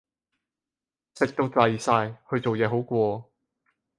食到滯晒，去做嘢好過